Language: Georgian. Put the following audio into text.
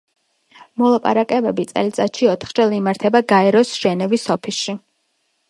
მოლაპარაკებები წელიწადში ოთხჯერ იმართება გაეროს ჟენევის ოფისში.